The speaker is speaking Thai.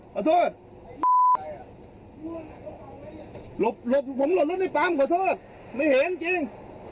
ขอโทษหลบหลบผมหลบรถในปั๊มขอโทษไม่เห็นจริง